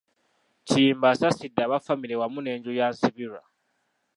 Kiyimba, asaasidde abafamire wamu n'enju ya Nsibirwa.